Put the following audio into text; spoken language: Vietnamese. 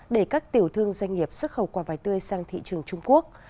để các tiểu thương doanh nghiệp xuất khẩu quả vải tươi sang thị trường trung quốc